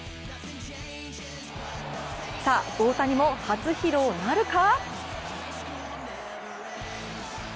さあ、大谷も初披露なるか？